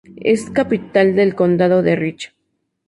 Es la capital del condado de Rich.